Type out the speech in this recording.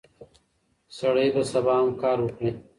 سړی به سبا هم کار وکړي.